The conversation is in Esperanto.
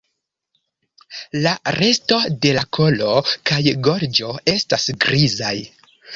La resto de la kolo kaj gorĝo estas grizaj.